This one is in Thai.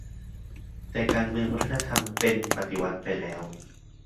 แต่การเมืองวัฒนธรรมเป็น 'ปฏิวัติ' ไปแล้ว